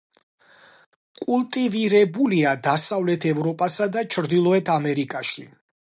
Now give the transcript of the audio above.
კულტივირებულია დასავლეთ ევროპასა და ჩრდილოეთ ამერიკაში.